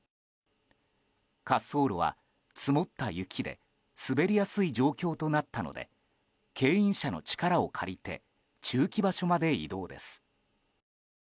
滑走路は積もった雪で滑りやすい状況となったので牽引車の力を借りて駐機場所まで移動です。